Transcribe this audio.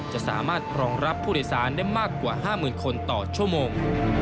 จะสามารถรองรับผู้โดยสารได้มากกว่า๕๐๐๐คนต่อชั่วโมง